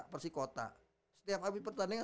persikota setiap abis pertandingan